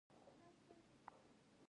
له دې توکو څخه یو غنم او بل یې ټوکر دی